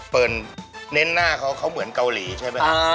เฟิร์นเน้นหน้าเขาเขาเหมือนเกาหลีใช่ไหม